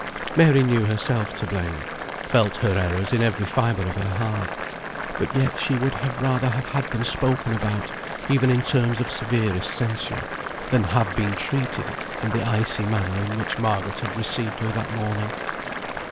Mary knew herself to blame; felt her errors in every fibre of her heart; but yet she would rather have had them spoken about, even in terms of severest censure, than have been treated in the icy manner in which Margaret had received her that morning.